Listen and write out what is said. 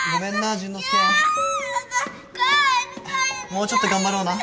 もうちょっと頑張ろうな。